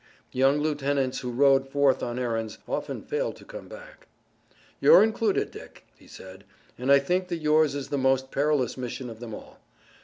Young lieutenants who rode forth on errands often failed to come back. "You're included, Dick," he said, "and I think that yours is the most perilous mission of them all.